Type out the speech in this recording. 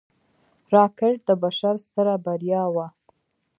راکټ د بشر ستره بریا وه